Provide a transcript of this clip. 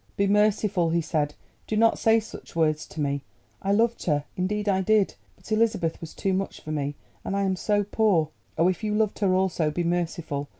"Be merciful," he said, "do not say such words to me. I loved her, indeed I did, but Elizabeth was too much for me, and I am so poor. Oh, if you loved her also, be merciful!